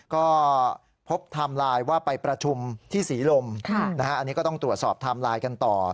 ก็พบไทม์ไลน์ว่าไปประชุมที่ศรีลมอันนี้ก็ต้องตรวจสอบไทม์ไลน์กันต่อ